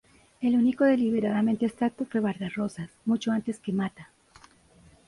El único deliberadamente abstracto fue Vargas Rosas, mucho antes que Matta".